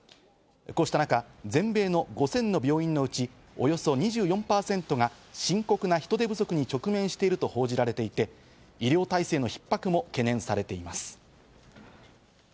こうしたなか全米の５０００の病院のうち、およそ２４％が深刻な人手不足に直面していると報じられていて、医療体制の逼迫も懸念されています。